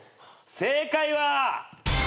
正解は。